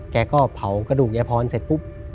แกก็เผากระดูกยายพรเสร็จปุ๊บ